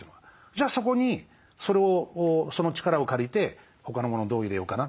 じゃあそこにその力を借りて他のものをどう入れようかな。